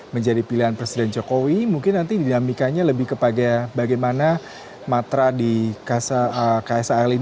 menjadi pilihan presiden jokowi mungkin nanti dinamikanya lebih kepada bagaimana matra di ksal lima